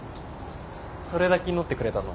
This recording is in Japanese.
それだけ祈ってくれたの？